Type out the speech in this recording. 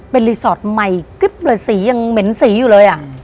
เป็นรีสอร์ทใหม่ซียังเหม็นสีอยู่เลยอะอืม